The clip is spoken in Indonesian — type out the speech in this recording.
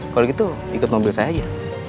kalau gitu ikut mobil saya aja